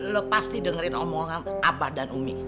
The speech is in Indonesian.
lo pasti dengerin omongan abah dan umi